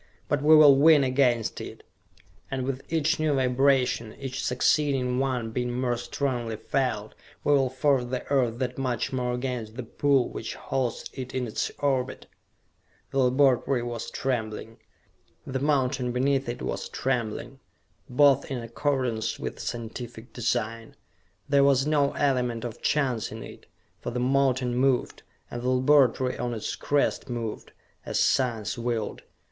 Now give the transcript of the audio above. But we will win against it, and with each new vibration, each succeeding one being more strongly felt, we will force the Earth that much more against the pull which holds it in its orbit!" The laboratory was trembling. The mountain beneath it was trembling. Both in accordance with scientific design. There was no element of chance in it, for the mountain moved, and the laboratory on its crest moved, as science willed.